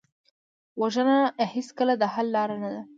وژنه هېڅکله د حل لاره نه ده